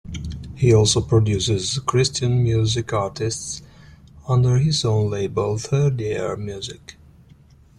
He also produces Christian music artists under his own label "Third Ear Music".